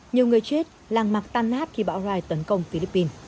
nhiều người chết làng mặc tan nát khi bão rai tấn công philippines